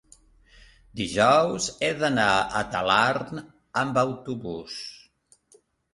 dijous he d'anar a Talarn amb autobús.